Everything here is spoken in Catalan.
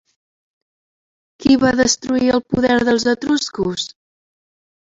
Qui va destruir el poder dels etruscos?